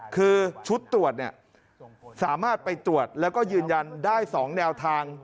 คือชุดตรวจสามารถไปตรวจแล้วก็ยืนยันได้๒แนวทาง